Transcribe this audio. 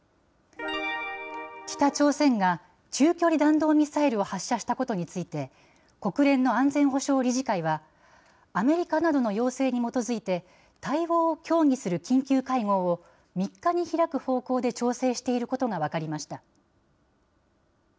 北朝鮮が中距離弾道ミサイルを発射したことについて、国連の安全保障理事会は、アメリカなどの要請に基づいて、対応を協議するについて、３日に開く方向で調整していることが分かりました。